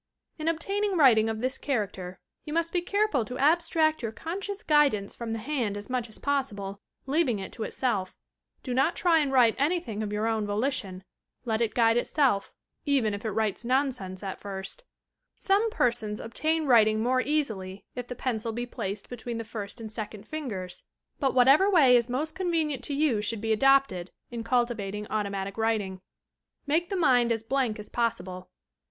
In obtaining writing of this character you must be careful to abstract your conscious guidance from the hand as much as possible, leaving it to itself. Do not try and write anything of your own volition; let it guide itself, even if it writes nonsense at first. Some persons obtain writing more easily if the pencil be placed between the first and second fingers, but what Ul 142 TOUR PSYCHIC POWERS ever way is most convenient to you should be adopted in cultivating automatic writing. Make the mind as blank as possible.